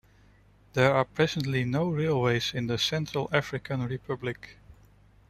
There are presently no railways in the Central African Republic.